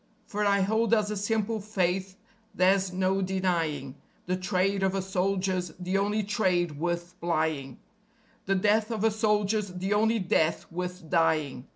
For I hold as a simple faith there's no denying: The trade of a soldier's the only trade worth plying; The death of a soldier's the only death worth dying.